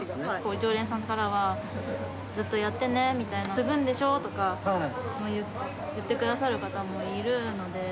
常連さんからは、ずっとやってねみたいな、継ぐんでしょ？とか言ってくださる方もいるので。